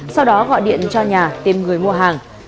sau đó gọi điện cho nhà tìm người mua hàng